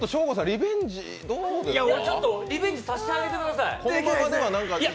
リベンジさせてあげてください。